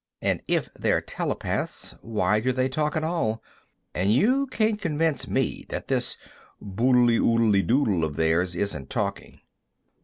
And if they're telepaths, why do they talk at all? And you can't convince me that this boodly oodly doodle of theirs isn't talking."